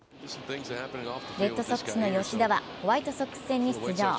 レッドソックスの吉田はホワイトソックス戦に出場。